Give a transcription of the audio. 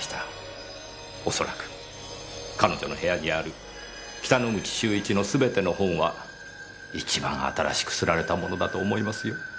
おそらく彼女の部屋にある北之口秀一のすべての本は一番新しく刷られたものだと思いますよ。